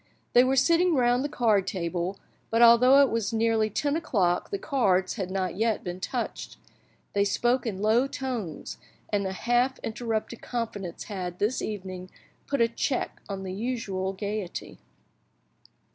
They were sitting round the card table, but although it was nearly ten o'clock the cards had not yet been touched. They spoke in low tones, and a half interrupted confidence had, this evening, put a check on the usual gaiety.